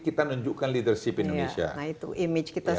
kita nunjukkan leadership indonesia